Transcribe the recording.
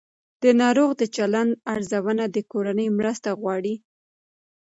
د ناروغ د چلند ارزونه د کورنۍ مرسته غواړي.